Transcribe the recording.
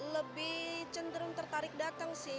lebih cenderung tertarik datang sih